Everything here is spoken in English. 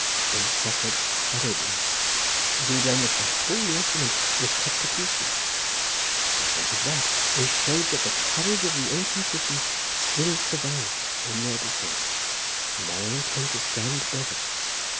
They suffered horribly—indeed, almost the whole regiment was cut to pieces; but what of that? they showed that the courage of the Ancient Britons still survives in their descendants. And now I intend to stand beverage.